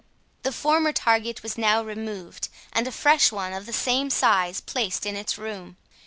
The former target was now removed, and a fresh one of the same size placed in its room.